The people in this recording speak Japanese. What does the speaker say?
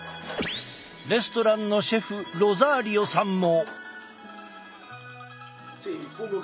レストランのシェフロザーリオさんも。